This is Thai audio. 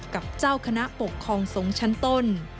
กับเจ้าคณะปกครองสงฆ์ชั้นต้น